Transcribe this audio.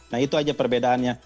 nah itu aja perbedaannya